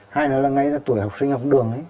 hai đó là ngay từ tuổi học sinh học đường ấy